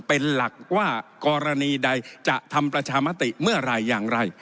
เป็นหลักว่ากรณีใดจะทำประชามติเมื่อไหร่อย่างไร